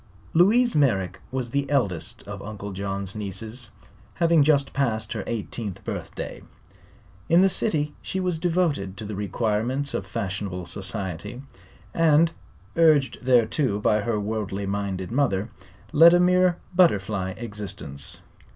Louise Merrick was the eldest of Uncle John's nieces, having just passed her eighteenth birthday. In the city she was devoted to the requirements of fashionable society and urged thereto by her worldly minded mother led a mere butterfly existence.